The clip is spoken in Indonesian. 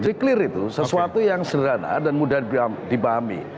jadi clear itu sesuatu yang sederhana dan mudah dibahami